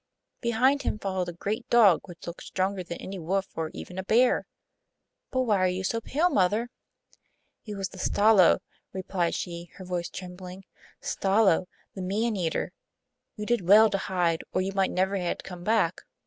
Behind him followed a great dog, which looked stronger than any wolf, or even a bear. But why are you so pale, mother?' 'It was the Stalo,' replied she, her voice trembling; 'Stalo the man eater! You did well to hide, or you might never had come back.